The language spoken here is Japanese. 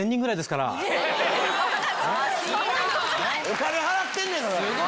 お金払ってんねんから！